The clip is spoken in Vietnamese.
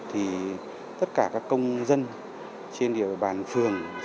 thì tất cả các công dân trên địa bàn phường